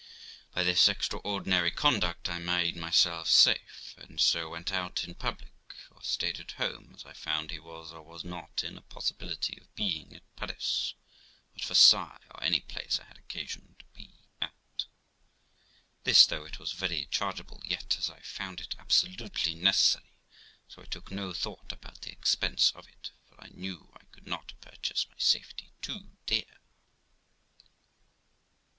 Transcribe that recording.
By this extraordinary conduct I made myself safe, and so went out in public or stayed at home as I found he was or was not in a possibility of being at Paris, at Versailles, or any place I had occasion to be at. This, though it was very chargeable, yet as I found it absolutely neces sary, so I took no thought about the expense of it, for I knew I could not purchase my safety too dear.